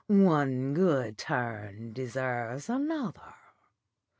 One good turn deserves another.